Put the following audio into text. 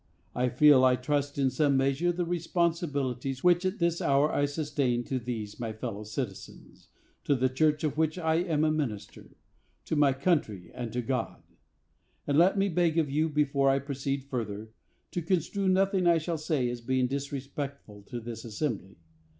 I feel, I trust, in some measure the responsibilities which at this hour I sustain to these my fellow citizens, to the church of which I am a minister, to my country, and to God. And let me beg of you, before I proceed further, to construe nothing I shall say as being disrespectful to this assembly.